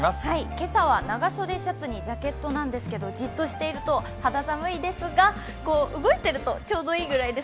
今朝は長袖シャツにジャケットなんですけど、じっとしていると肌寒いですが動いているとちょうどいいので。